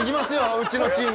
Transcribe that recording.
うちのチーム。